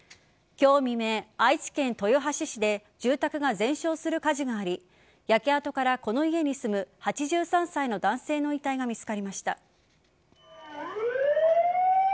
今日未明、愛知県豊橋市で住宅が全焼する火事があり焼け跡からこの家に住む８３歳の男性の遺体が見つかりました。